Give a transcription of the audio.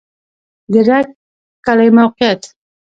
د رګ کلی موقعیت